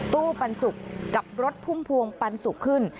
ตู้ปันสุกกับรถพุ่มพวงปันสุกขึ้น